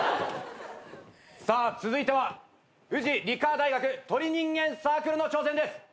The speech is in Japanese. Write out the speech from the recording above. さあ続いてはフジ理科大学鳥人間サークルの挑戦です。